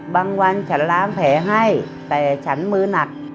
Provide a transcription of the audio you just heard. วันฉันล้างแผลให้แต่ฉันมือหนัก